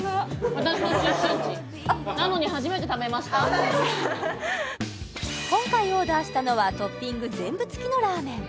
私の出身地今回オーダーしたのはトッピング全部つきのラーメン